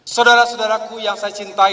saudara saudaraku yang saya cintai